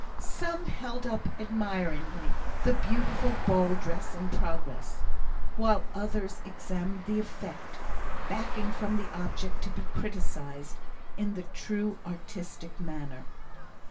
Some held up admiringly the beautiful ball dress in progress, while others examined the effect, backing from the object to be criticised in the true artistic manner.